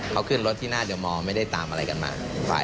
เขาขึ้นรถที่หน้าเดอร์มอร์ไม่ได้ตามอะไรกันมา